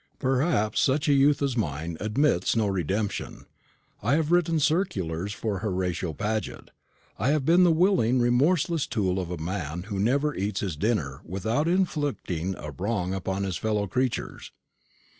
Perhaps such a youth as mine admits of no redemption. I have written circulars for Horatio Paget. I have been the willing remorseless tool of a man who never eats his dinner without inflicting a wrong upon his fellow creatures.